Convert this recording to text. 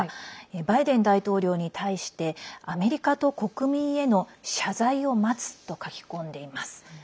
バイデン大統領に対してアメリカと国民への謝罪を待つ！と書き込んでいます。